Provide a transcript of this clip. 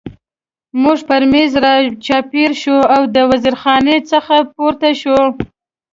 موږ پر مېز را چاپېر شو او د زیرخانې څخه را پورته شوي.